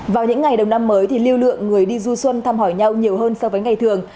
vào những ngày đầu năm mới thì lưu lượng người đi du xuân thăm hỏi nhau nhiều hơn so với ngày thường